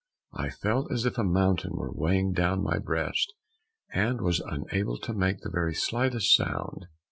I felt as if a mountain were weighing down my breast, and was unable to make the very slightest sound.